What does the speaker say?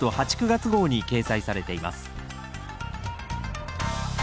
９月号に掲載されています